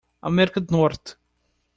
América do Norte.